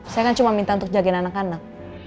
saya kan cuma minta untuk jagain anak anak